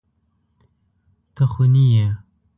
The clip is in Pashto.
ته خوني يې.